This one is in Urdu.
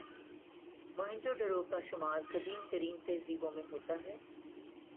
موئن جو دڑو کا شمار قدیم ترین تہذیبوں میں ہوتا ہے